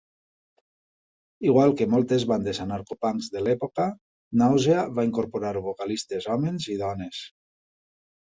Igual que moltes bandes anarcopunks de l'època, Nausea va incorporar vocalistes homes i dones.